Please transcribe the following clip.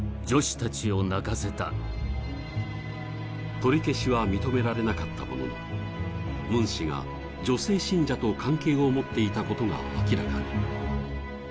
取り消しは認められなかったものの、ムン氏が女性信者と関係を持っていたことが明らかに。